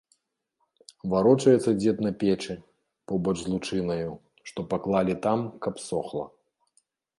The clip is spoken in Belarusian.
Варочаецца дзед на печы, побач з лучынаю, што паклалі там, каб сохла.